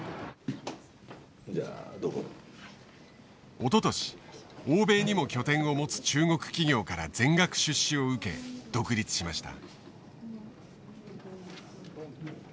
おととし欧米にも拠点を持つ中国企業から全額出資を受け独立しました。